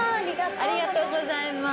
ありがとうございます。